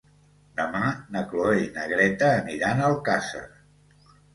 Demà na Cloè i na Greta aniran a Alcàsser.